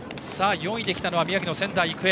４位で来たのは宮城の仙台育英。